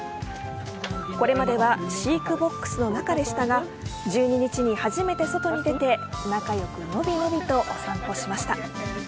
これまでは飼育ボックスの中でしたが１２日に初めて外に出て仲良くのびのびとお散歩しました。